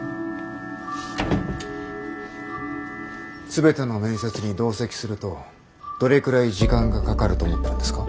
全ての面接に同席するとどれくらい時間がかかると思ってるんですか？